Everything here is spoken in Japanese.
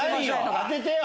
当ててよ！